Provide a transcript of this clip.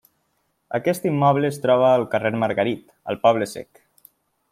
Aquest immoble es troba al carrer Margarit, al Poble Sec.